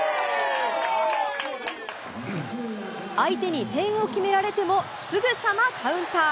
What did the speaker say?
相手に点を決められてもすぐさまカウンター。